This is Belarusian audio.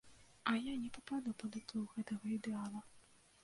А я не пападу пад уплыў гэтага ідэала!